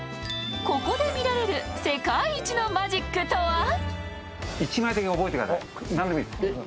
ここで見られる世界一のマジックとは？